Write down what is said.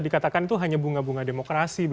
dikatakan itu hanya bunga bunga demokrasi